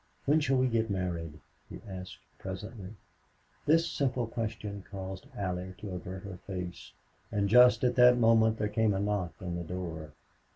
"When shall we get married?" he asked, presently. This simple question caused Allie to avert her face, and just at that moment there came a knock on the door.